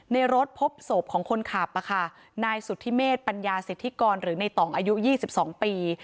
ในรถพบศพของคนขับอ่ะค่ะนายสุธิเมฆปัญญาสิทธิกรหรือในต่องอายุยี่สิบสองปี